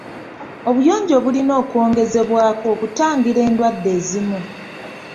Obuyonjo bulina okwongezebwako okutangira endwadde ezimu.